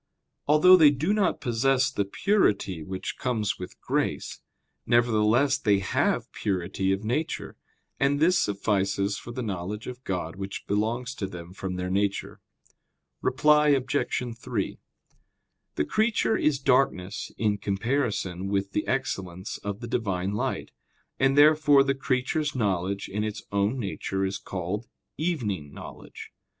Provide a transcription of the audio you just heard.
Although they do not possess the purity which comes with grace, nevertheless they have purity of nature; and this suffices for the knowledge of God which belongs to them from their nature. Reply Obj. 3: The creature is darkness in comparison with the excellence of the Divine light; and therefore the creature's knowledge in its own nature is called "evening" knowledge.